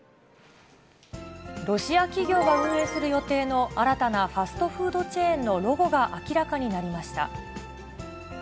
ロシア企業が運営する予定の新たなファストフードチェーンのロゴが明らかになりました。